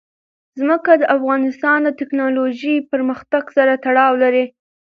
ځمکه د افغانستان د تکنالوژۍ پرمختګ سره تړاو لري.